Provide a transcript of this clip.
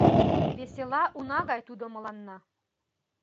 Весела уна гай тудо мыланна.